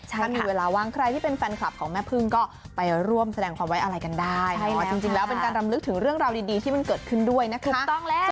ถ้ามีเวลาว่างใครที่เป็นแฟนคลับของแม่พึ่งก็ไปร่วมแสดงความไว้อะไรกันได้จริงแล้วเป็นการรำลึกถึงเรื่องราวดีที่มันเกิดขึ้นด้วยนะครับ